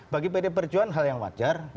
bagi pd perjuangan hal yang wajar